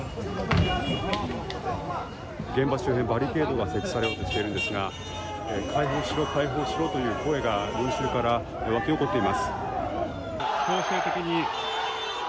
現場周辺、バリケードが設置されようとしているんですが解放しろ、解放しろという声が群衆から沸き起こっています。